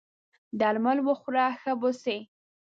درمل وخوره ښه به سې!